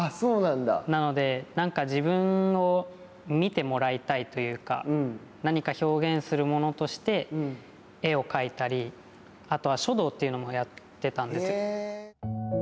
なので、なんか自分を見てもらいたいというか、何か表現するものとして絵を描いたり、あとは書道というのもやってたんですよ。